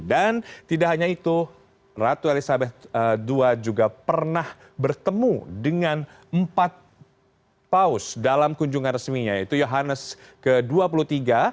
dan tidak hanya itu ratu elizabeth ii juga pernah bertemu dengan empat paus dalam kunjungan resminya yaitu johannes ii